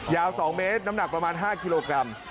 ยาว๒เมตรน้ำหนักประมาณ๕กิโลกรัม